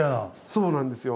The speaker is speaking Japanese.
そうなんですよ